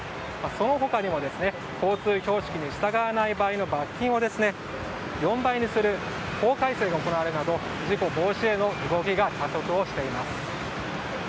その他にも、交通標識に従わない場合の罰金を４倍にする法改正が行われるなど事故防止への動きが加速しています。